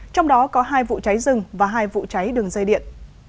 trong đó có hai vụ cháy rừng và hai vụ cháy đường dây điện